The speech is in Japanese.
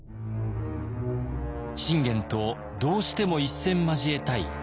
信玄とどうしても一戦交えたい謙信。